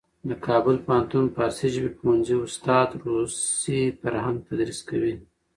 د کابل پوهنتون فارسي ژبې پوهنځي استادان روسي فرهنګ تدریس کوي.